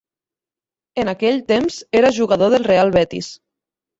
En aquell temps era jugador del Real Betis.